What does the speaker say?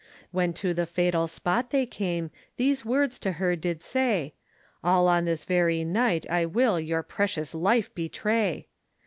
When to the fatal spot they came, These words to her did say: All on this very night I will Your precious life betray.